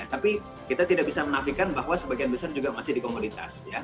tapi kita tidak bisa menafikan bahwa sebagian besar juga masih di komunitas